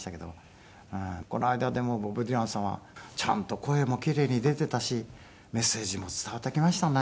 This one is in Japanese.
この間でもボブ・ディランさんはちゃんと声も奇麗に出ていたしメッセージも伝わってきましたね。